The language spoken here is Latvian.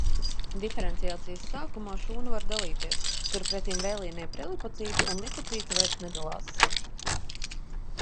Diferenciācijas sākumā šūna var dalīties, turpretim vēlīnie prelipocīti un lipocīti vairs nedalās.